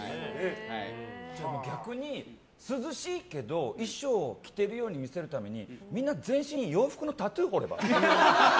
逆に、涼しいけど衣装を着てるように見せるためにみんな全身に洋服のタトゥー彫れば？